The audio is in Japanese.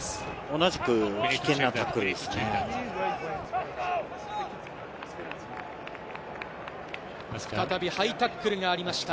同じく危険なタックルですね。